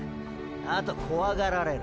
あとコワがられる。